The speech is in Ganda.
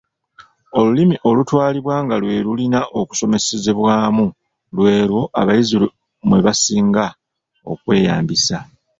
Olulimi olutwalibwa nga lwe lulina okusomeserezebwamu lw’elwo abayizi mwe basinga okweyabiza.